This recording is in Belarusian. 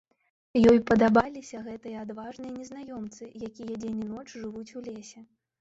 Ёй падабаліся гэтыя адважныя незнаёмцы, якія дзень і ноч жывуць у лесе.